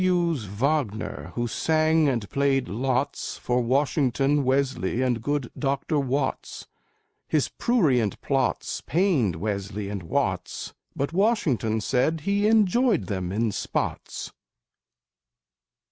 W's Wagner, who sang and played lots, For Washington, Wesley and good Dr. Watts; His prurient plots pained Wesley and Watts, But Washington said he "enjoyed them in spots."